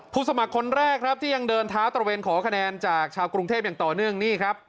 สมัครคนแรกครับที่ยังเดินเท้าตระเวนขอคะแนนจากชาวกรุงเทพอย่างต่อเนื่องนี่ครับ